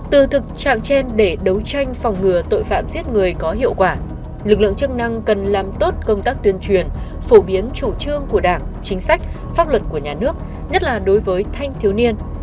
từ thực trạng trên để đấu tranh phòng ngừa tội phạm giết người có hiệu quả lực lượng chức năng cần làm tốt công tác tuyên truyền phổ biến chủ trương của đảng chính sách pháp luật của nhà nước nhất là đối với thanh thiếu niên